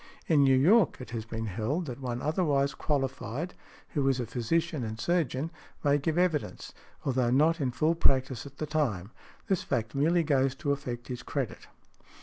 In New York, it has been held that one otherwise qualified, who is |112| a physician and surgeon, may give evidence, although not in full practice at the time; this fact merely goes to affect his credit .